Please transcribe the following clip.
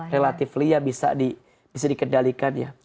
relatifnya bisa dikendalikan